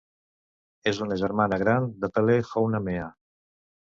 És una germana gran de Pele-honua-mea.